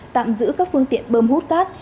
tạm giữ các phương tiện bơm hút cát